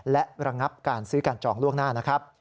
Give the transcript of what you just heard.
และระงับการซื้อการจองล่วงหน้า